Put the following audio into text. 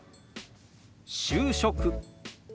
「就職」。